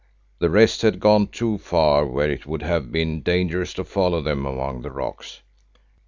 "The rest had gone too far where it would have been dangerous to follow them among the rocks.